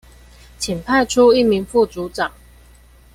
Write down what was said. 請派出一名副組長